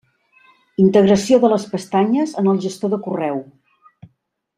Integració de les pestanyes en el gestor de correu.